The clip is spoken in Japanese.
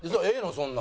そんなん。